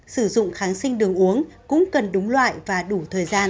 sử dụng kháng sinh đường uống cũng cần đúng loại và đủ thời gian